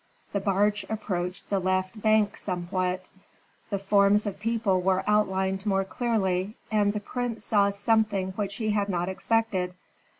The barge approached the left bank somewhat; the forms of people were outlined more clearly, and the prince saw something which he had not expected.